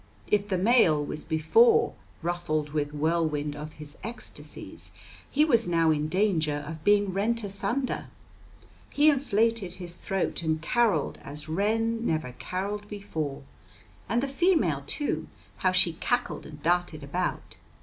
If the male was before "ruffled with whirlwind of his ecstasies," he was now in danger of being rent asunder. He inflated his throat and caroled as wren never caroled before. And the female, too, how she cackled and darted about!